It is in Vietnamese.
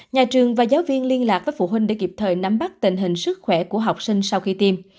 nhà trường và giáo viên liên lạc với phụ huynh để kịp thời nắm bắt tình hình sức khỏe của học sinh sau khi tiêm